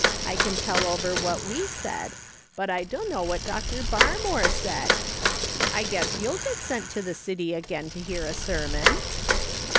I can tell over what we said, but I duuno what Dr. Bar more said "; I guess you'll get sent to the city again to hear a sermon